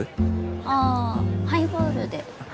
ああハイボールで。